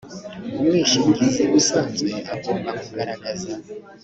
umwishingizi usanzwe agomba kugaragaza